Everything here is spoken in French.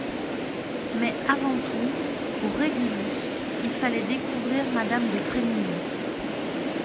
Mais, avant tout, pour Régulus, il fallait découvrir madame de Frémilly.